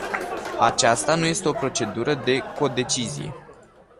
Aceasta nu este o procedură de codecizie.